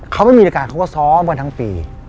เขาไม่มีรายการเขาก็ซ้อมกันทั้งปี